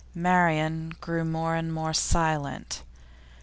Marian grew more and more silent.